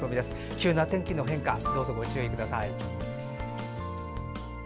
急な天気の変化どうぞご注意ください。